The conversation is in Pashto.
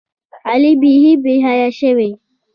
علي بیخي بېحیا شوی.